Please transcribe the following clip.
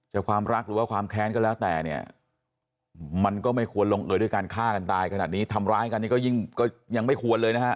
ความรักหรือว่าความแค้นก็แล้วแต่เนี่ยมันก็ไม่ควรลงเอยด้วยการฆ่ากันตายขนาดนี้ทำร้ายกันนี่ก็ยิ่งก็ยังไม่ควรเลยนะฮะ